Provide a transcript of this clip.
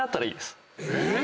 えっ